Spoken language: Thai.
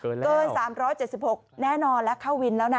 เกิน๓๗๖แน่นอนแล้วเข้าวินแล้วนะ